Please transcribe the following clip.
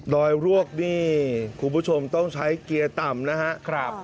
รอยรวกนี่คุณผู้ชมต้องใช้เกียร์ต่ำนะครับ